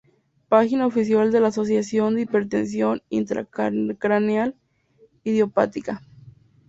Página oficial de la Asociación de Hipertensión Intracraneal Idiopática